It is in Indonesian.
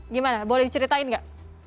gimana boleh diceritain nggak